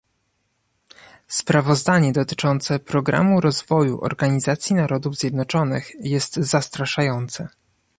Sprawozdanie dotyczące Programu Rozwoju Organizacji Narodów Zjednoczonych jest zastraszające